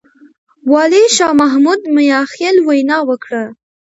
والي شاه محمود مياخيل وينا وکړه.